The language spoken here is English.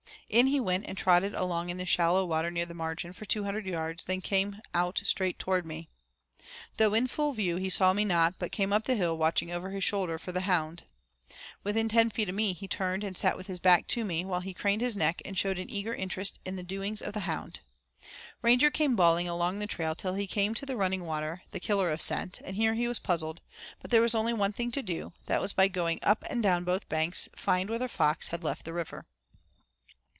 In he went and trotted along in the shallow water near the margin for two hundred yards, then came out straight toward me. Though in full view, he saw me not but came up the hill watching over his shoulder for the hound. Within ten feet of me he turned and sat with his back to me while he craned his neck and showed an eager interest in the doings of the hound. Ranger came bawling along the trail till he came to the running water, the killer of scent, and here he was puzzled; but there was only one thing to do; that was by going up and down both banks find where the fox had left the river.